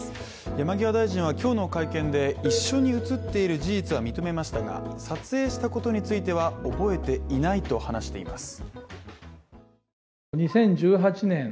山際大臣は今日の会見で一緒に写っている事実は認めましたが撮影したことについては覚えていないと話しています。